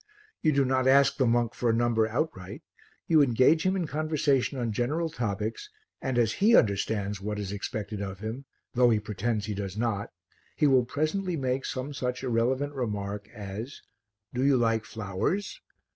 You do not ask the monk for a number outright, you engage him in conversation on general topics and as he understands what is expected of him, though he pretends he does not, he will presently make some such irrelevant remark as, "Do you like flowers?"